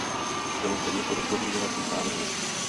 Bylo zde několik pozměňovacích návrhů.